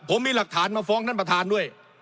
ผมมีหลักฐานมาฟ้องท่านประธานด้วย